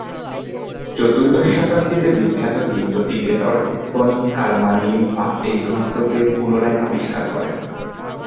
চতুর্দশ শতাব্দীতে বিখ্যাত তিব্বতী গ্তের-স্তোন কার-মা-গ্লিং-পা এই গ্রন্থকে পুনরায় আবিষ্কার করেন।